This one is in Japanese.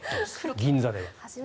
銀座では。